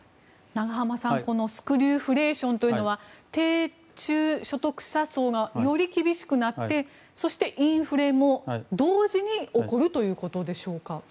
永濱さん、このスクリューフレーションというのは低中所得者層がより厳しくなってそして、インフレも同時に起こるということでしょうか？